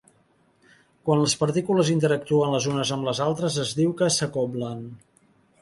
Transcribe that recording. Quan les partícules interactuen les unes amb les altres es diu que s'acoblen.